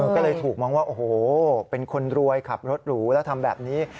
ก็เลยถูกมองว่าโอ้โหเป็นคนรวยขับรถหรูแล้วทำแบบนี้